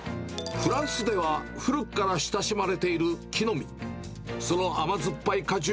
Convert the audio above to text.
フランスでは古くから親しまれている木の実。